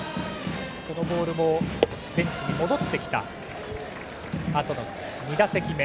そのボールもベンチに戻ってきたあとの２打席目。